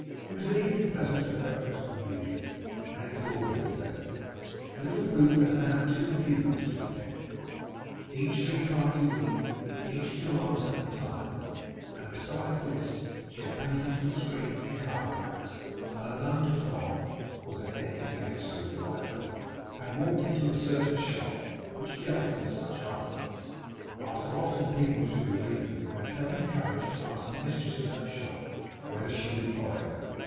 It was even a pleasanter breakfast than usual; and it was always a pleasant one. For little Ruth had now two pupils to attend, each three times a week; and each two hours at a time; and besides this, she had painted some screens and card racks, and, unknown to Tom (was there ever anything so delightful!), had walked into a certain shop which dealt in such articles, after often peeping through the window; and had taken courage to ask the Mistress of that shop whether she would buy them.